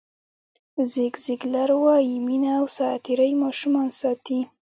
زیګ زیګلر وایي مینه او ساعتېرۍ ماشومان ساتي.